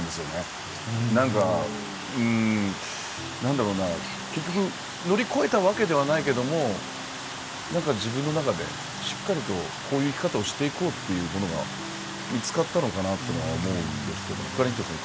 なんかうんなんだろうな結局乗り越えたわけではないけどもなんか自分の中でしっかりとこういう生き方をしていこうっていうものが見つかったのかなっていうのは思うんですけどひかりんちょさん